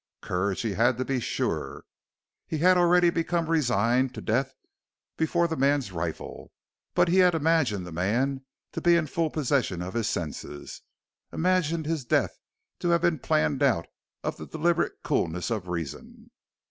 Courage he had to be sure; he had already become resigned to death before the man's rifle, but he had imagined the man to be in full possession of his senses; imagined his death to have been planned out of the deliberate coolness of reason.